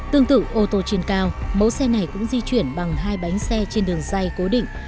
tương tự ô tô trên cao mẫu xe này cũng di chuyển bằng hai bánh xe trên đường dây cố định